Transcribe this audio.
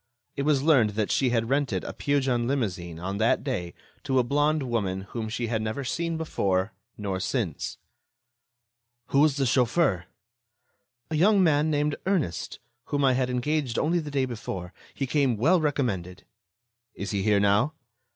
It was learned that she had rented a Peugeon limousine on that day to a blonde woman whom she had never seen before nor since. "Who was the chauffeur?" "A young man named Ernest, whom I had engaged only the day before. He came well recommended." "Is he here now?"